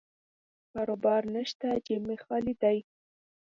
کاروبار نشته، جیب مې خالي دی.